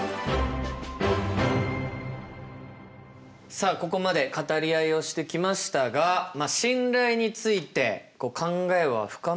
さあここまで語り合いをしてきましたが信頼について考えは深まりましたでしょうか？